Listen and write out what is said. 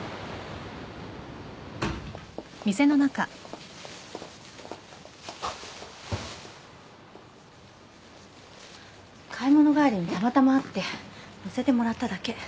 ・買い物帰りにたまたま会って乗せてもらっただけ。